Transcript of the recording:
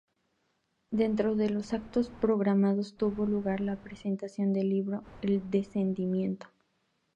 Dentro de los actos programados tuvo lugar la presentación del libro "El Descendimiento.